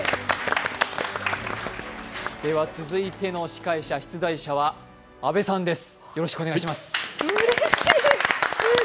では、続いての司会者・出題者は阿部さんです。